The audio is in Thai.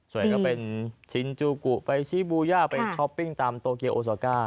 ส่วนก็เป็นชินจูกุไปชิบูย่าไปช้อปปิ้งตามโตเกียโอซาก้า